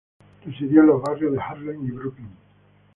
Residió en los barrios de Harlem y Brooklyn.